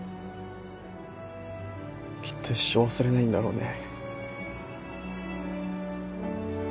きっと一生忘れないんだろうね。